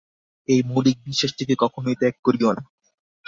এই মৌলিক বিশ্বাসটিকে কখনই ত্যাগ করিও না।